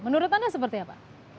menurut anda seperti apa